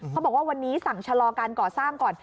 เขาบอกว่าวันนี้สั่งชะลอการก่อสร้างก่อน